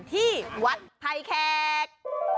ที่วัดไผ่แขก